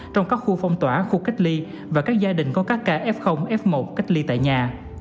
trong các khu phong tỏa khu cách ly và các gia đình có các ca f f một cách ly tại nhà